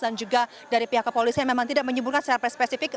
dan juga dari pihak kepolisian memang tidak menyebutkan secara spesifik